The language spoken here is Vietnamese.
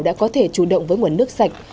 đã có thể chủ động với nguồn nước sạch